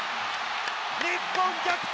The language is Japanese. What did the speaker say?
日本逆転！